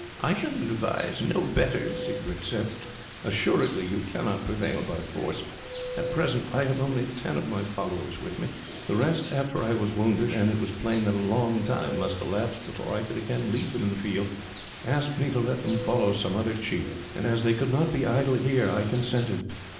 "I can advise no better," Siegbert said. "Assuredly you cannot prevail by force. At present I have only ten of my followers with me; the rest, after I was wounded, and it was plain that a long time must elapse before I could again lead them in the field, asked me to let them follow some other chief, and as they could not be idle here I consented.